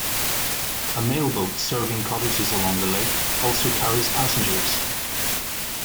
A mailboat serving cottages along the lake also carries passengers.